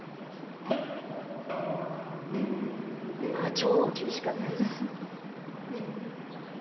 超厳しかったです。